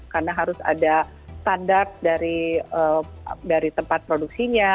karena harus ada standar dari tempat produksinya